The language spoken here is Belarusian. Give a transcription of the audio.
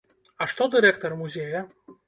А што дырэктар музея?